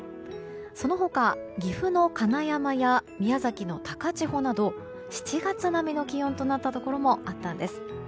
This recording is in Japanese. その他、岐阜の金山や宮崎の高千穂など７月並みの気温となったところもあったんです。